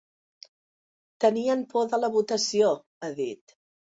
“Tenien por de la votació”, ha dit.